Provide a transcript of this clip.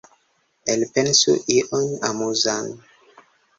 Elpensu ion amuzan.